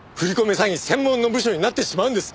詐欺専門の部署になってしまうんです。